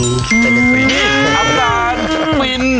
จะเป็นฟิน